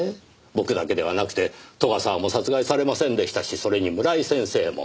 僕だけではなくて斗ヶ沢も殺害されませんでしたしそれに村井先生も。